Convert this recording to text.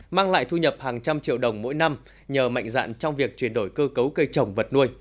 mang lại thu nhập hàng trăm triệu đồng mỗi năm nhờ mạnh dạn trong việc chuyển đổi cơ cấu cây trồng vật nuôi